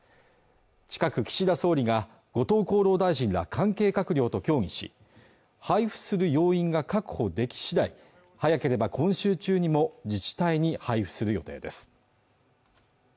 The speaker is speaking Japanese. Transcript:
近く岸田総理が後藤厚労大臣ら関係閣僚と協議し配布する要員が確保でき次第早ければ今週中にも自治体に配布する予定です